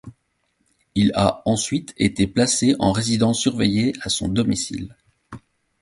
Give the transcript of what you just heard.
Il a ensuite été placé en résidence surveillée à son domicile.